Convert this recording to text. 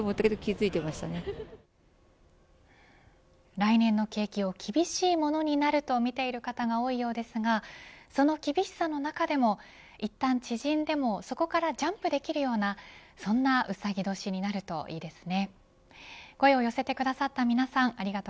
来年の景気を厳しいものになると見ている方が多いようですがその厳しさの中でもいったん縮んでもそこからジャンプできるようなそんな、うさぎ年になるといいですね。